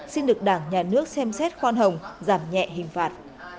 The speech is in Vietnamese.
xin được đảng nhà nước xem xét khoan hồng giảm nhẹ hình phạt